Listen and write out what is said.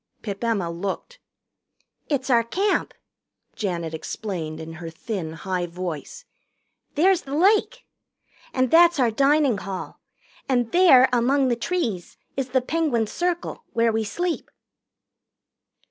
Pip Emma looked. "It's our Camp," Janet explained in her thin high voice. "There's the lake. And that's our dining hall. And there, among the trees, is the Penguin Circle, where we sleep."